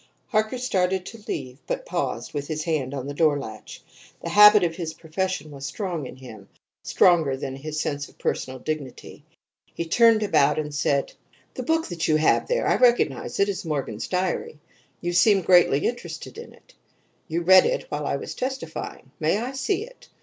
Harker started to leave, but paused, with his hand on the door latch. The habit of his profession was strong in him stronger than his sense of personal dignity. He turned about and said: "The book that you have there I recognize it as Morgan's diary. You seemed greatly interested in it; you read in it while I was testifying. May I see it?